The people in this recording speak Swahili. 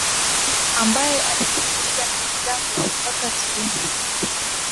ambaye amezungumza na mwenzangu abubakar suleiman